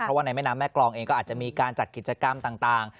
เพราะว่าในแม่น้ำแม่กรองเองก็อาจจะมีการจัดกิจกรรมต่าง